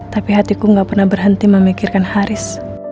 tapi hatiku gak pernah berhenti memikirkan haris